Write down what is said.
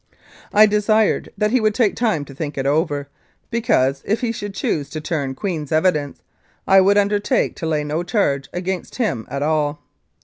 I desired that he would take time to think it over because, if he should choose to turn Queen's Evidence, I would undertake to lay no charge against him at all.